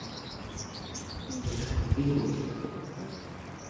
এরা খুবই কঠিন।